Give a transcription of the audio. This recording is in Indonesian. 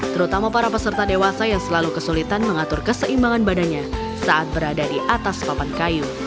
terutama para peserta dewasa yang selalu kesulitan mengatur keseimbangan badannya saat berada di atas papan kayu